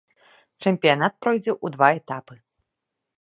Чэмпіянат пройдзе ў два этапы.